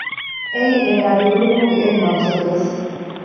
އެއީ އޭނާ ދިރިހުރުމުގެ އެއް މަޤުޞަދުވެސް